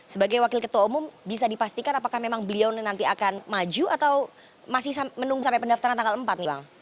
sebagai wakil ketua umum bisa dipastikan apakah memang beliau nanti akan maju atau masih menunggu sampai pendaftaran tanggal empat nih bang